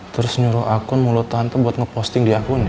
terus nyuruh akun mulut tante buat nge posting di akunnya